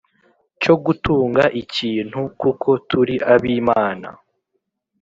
cyo gutunga ikintu, kuko turi ab'Imana,